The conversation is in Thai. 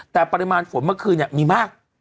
แต่ปริมาณฝนเมื่อคืนเนี่ยมีมาก